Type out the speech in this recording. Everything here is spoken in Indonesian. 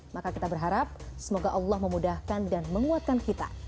maka kita berharap semoga allah memudahkan dan menguatkan kita